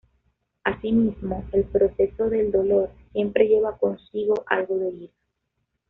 Asimismo, el proceso del dolor siempre lleva consigo algo de ira.